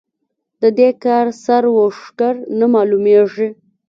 د دې کار سر و ښکر نه مالومېږي.